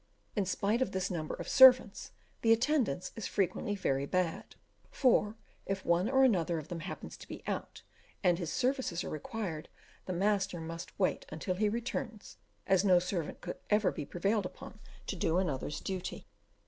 In spite of this number of servants, the attendance is frequently very bad; for, if one or other of them happens to be out, and his services are required, his master must wait until he returns, as no servant could ever be prevailed upon to do another's duty.